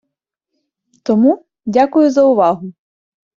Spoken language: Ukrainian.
Тому, дякую за увагу!